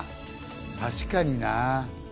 確かにな。